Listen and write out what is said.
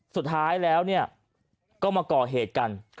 สุดท้ายแล้วก็มาก่อเหตุกัน